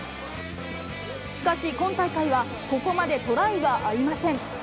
しかし今大会は、ここまでトライはありません。